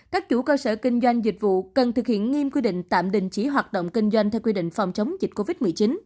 các chủ cơ sở kinh doanh dịch vụ cần thực hiện nghiêm quy định tạm đình chỉ hoạt động kinh doanh theo quy định phòng chống dịch covid một mươi chín